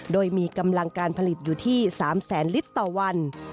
โดยมีกำลังการผลิตอยู่ที่๓แสนลิตรต่อวัน